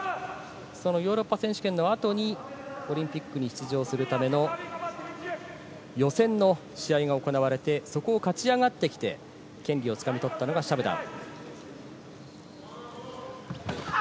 そのヨーロッパ選手権の後にオリンピックに出場するための予選の試合が行われて、そこを勝ち上がってきて、権利をつかみ取ったのがシャムダン。